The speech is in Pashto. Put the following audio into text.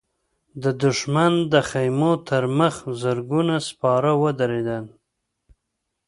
د دښمن د خيمو تر مخ زرګونه سپاره ودرېدل.